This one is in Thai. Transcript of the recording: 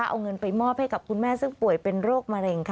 เอาเงินไปมอบให้กับคุณแม่ซึ่งป่วยเป็นโรคมะเร็งค่ะ